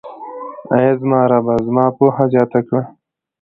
اې زما ربه، زما پوهه زياته کړه.